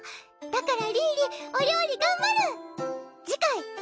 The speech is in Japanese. だからリーリお料理頑張る！